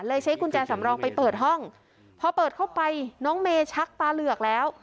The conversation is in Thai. ใช้กุญแจสำรองไปเปิดห้องพอเปิดเข้าไปน้องเมชักตาเหลือกแล้ว